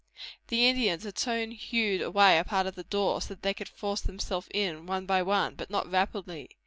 The Indians had soon hewed away a part of the door, so that they could force themselves in, one by one, but not very rapidly.